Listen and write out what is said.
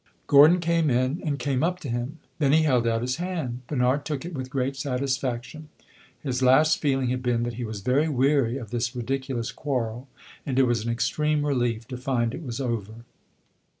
Gordon came in and came up to him; then he held out his hand. Bernard took it with great satisfaction; his last feeling had been that he was very weary of this ridiculous quarrel, and it was an extreme relief to find it was over.